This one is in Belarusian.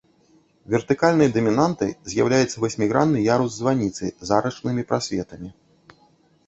Вертыкальнай дамінантай з'яўляецца васьмігранны ярус званіцы з арачнымі прасветамі.